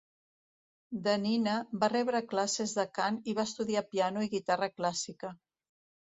De nina, va rebre classes de cant i va estudiar piano i guitarra clàssica.